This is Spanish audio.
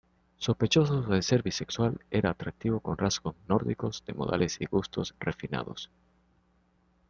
Sospechoso de ser bisexual, era atractivo, con rasgos nórdicos, de modales y gustos refinados.